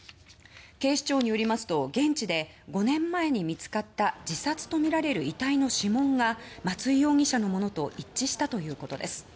警視庁によりますと現地で５年前に見つかった自殺とみられる遺体の指紋が松井容疑者のものと一致したということです。